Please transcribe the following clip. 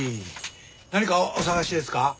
何かお探しですか？